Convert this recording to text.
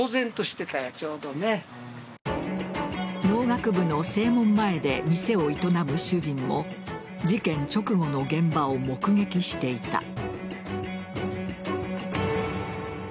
農学部の正門前で店を営む主人も事件直後の現場を目撃していた。